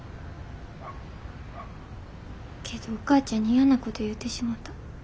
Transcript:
けどお母ちゃんに嫌なこと言うてしもた。